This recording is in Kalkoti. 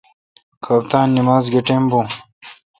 کھپتان اے نمز گہ ٹیم بون